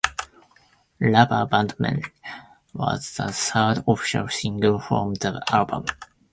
"Rubber Band Man" was the third official single from the album.